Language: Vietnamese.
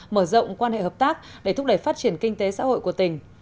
mở rộng quan hệ hợp tác để thúc đẩy phát triển kinh tế xã hội của tỉnh